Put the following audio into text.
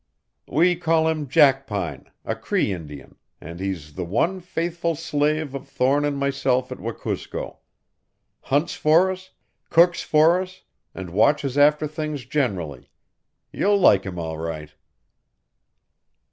"We call him Jackpine a Cree Indian and he's the one faithful slave of Thorne and myself at Wekusko. Hunts for us, cooks for us, and watches after things generally. You'll like him all right."